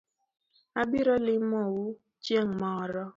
Abiro limo u chieng’ moro